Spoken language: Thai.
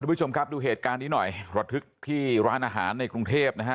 ผู้ชมครับดูเหตุการณ์นี้หน่อยระทึกที่ร้านอาหารในกรุงเทพนะฮะ